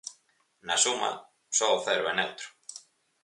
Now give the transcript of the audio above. Na suma, só o cero é neutro.